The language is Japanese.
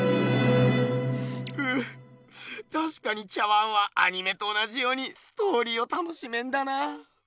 ううたしかに茶碗はアニメと同じようにストーリーを楽しめんだな。